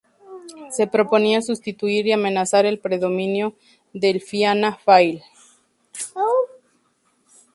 Se proponía sustituir y amenazar el predominio del Fianna Fáil.